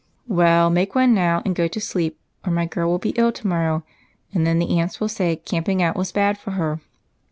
"Well, make one now, and go to sleep, or my girl will be ill to morrow, and then the aunts will say camping out was bad for her."